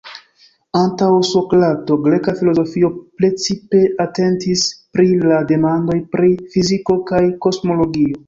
Antaŭ Sokrato, greka filozofio precipe atentis pri la demandoj pri fiziko kaj kosmologio.